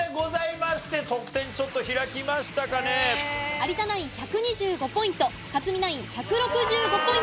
有田ナイン１２５ポイント克実ナイン１６５ポイント。